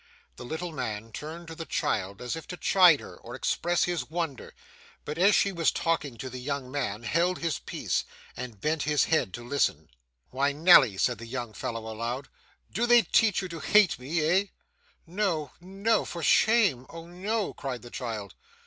The little man turned to the child as if to chide her or express his wonder, but as she was talking to the young man, held his peace, and bent his head to listen. 'Well, Nelly,' said the young fellow aloud. 'Do they teach you to hate me, eh?' 'No, no. For shame. Oh, no!' cried the child.